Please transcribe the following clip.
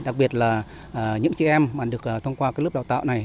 đặc biệt là những chị em mà được thông qua cái lớp đào tạo này